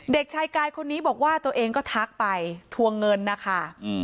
เด็กชายกายคนนี้บอกว่าตัวเองก็ทักไปทวงเงินนะคะ